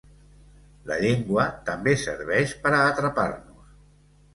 La llengua també serveix per a atrapar-nos.